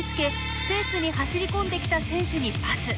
スペースに走り込んできた選手にパス。